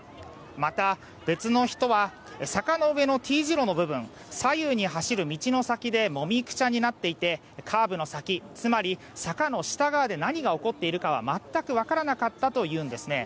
また、別の人は坂の上のＴ字路の部分左右に走る道の先でもみくちゃになっていてカーブの先、つまり坂の下側で何が起こっているかは全くわからなかったと言うんですね。